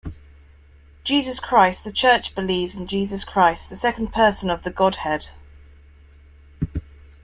Jesus Christ- the church believes in Jesus Christ, the second person of the God-head.